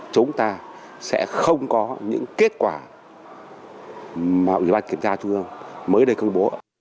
chúng ta sẽ không có những kết quả mà ủy ban kiểm tra trung ương mới đây công bố